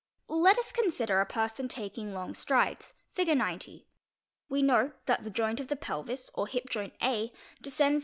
Let us consider a person taking long strides, 5 Fig. 90. We note that the joint of the pelvis or hip joint a descends 4